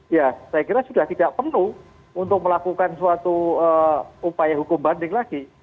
ya saya kira sudah tidak perlu untuk melakukan suatu upaya hukum banding lagi